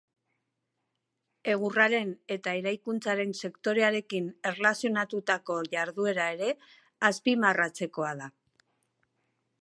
Egurraren eta eraikuntzaren sektorearekin erlazionatutako jarduera ere azpimarratzekoa da.